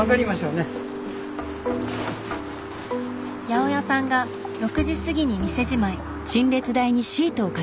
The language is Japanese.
八百屋さんが６時過ぎに店じまい。